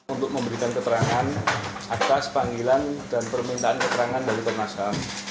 untuk memberikan keterangan atas panggilan dan permintaan keterangan dari komnas ham